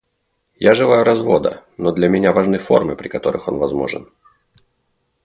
Я желаю развода, но для меня важны формы, при которых он возможен.